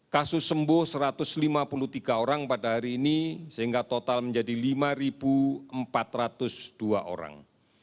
kasus sembuh satu ratus lima puluh tiga orang pada hari ini sehingga total menjadi lima empat ratus dua orang